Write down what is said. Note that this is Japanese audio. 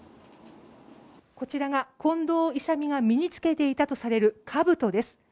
こちらが近藤勇が身に着けていたとされるかぶとです。